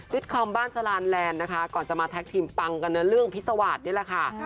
ตคอมบ้านสลานแลนด์นะคะก่อนจะมาแท็กทีมปังกันในเรื่องพิสวาสนี่แหละค่ะ